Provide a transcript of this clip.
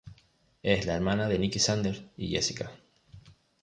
Es la hermana de Niki Sanders y Jessica.